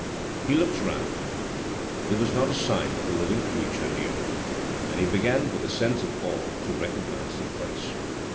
He looked round. There was not a sign of a living creature near. And he began with a sense of awe to recognise the place.